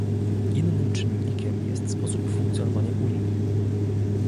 Innym czynnikiem jest sposób funkcjonowania Unii